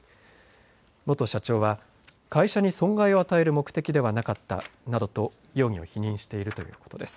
元社長は会社に損害を与える目的ではなかったなどと容疑を否認しているということです。